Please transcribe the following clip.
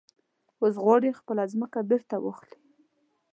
اوس غواړي خپله ځمکه بېرته واخلي.